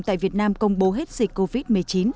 tại việt nam công bố hết dịch covid một mươi chín